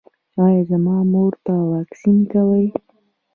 ایا زما مور ته واکسین کوئ؟